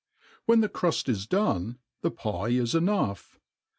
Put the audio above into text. Wh^ the cruft is dohe,r the pie is epough.